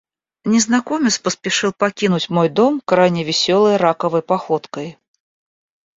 Незнакомец поспешил покинуть мой дом крайне весёлой раковой походкой.